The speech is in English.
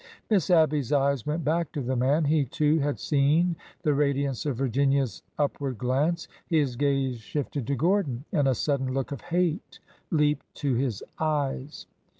Miss Abby's eyes went back to the man. He, too, had seen the radiance of Virginia's upward glance. His gaze shifted to Gordon, and a sudden look of hate leaped to his eyes.